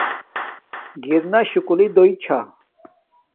گَرَنݳ شُکُلݵ دݸئی شݳ.